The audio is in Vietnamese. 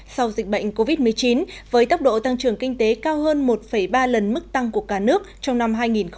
sau dịch bệnh covid một mươi chín với tốc độ tăng trưởng kinh tế cao hơn một ba lần mức tăng của cả nước trong năm hai nghìn hai mươi